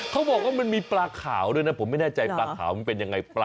เขาบอกว่ามันมีปลาขาวด้วยนะผมไม่แน่ใจปลาขาวมันเป็นยังไงปลา